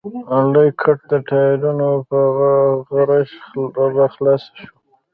لوی ګټ د ټايرونو په غژس راخلاص شو.